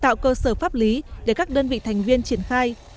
tạo cơ sở pháp lý để các đơn vị thành viên triển khai